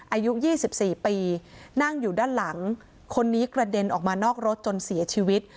อายุ๒๔ปีนั่งอยู่ด้านหลังคนนี้กระเด็นออกมานอกรถจนเสียชีวิต